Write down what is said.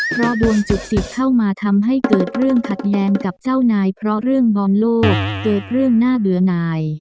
เพราะดวงจุกติดเข้ามาทำให้เกิดเรื่องขัดแย้งกับเจ้านายเพราะเรื่องบอลโลกเกิดเรื่องน่าเบื่อหน่าย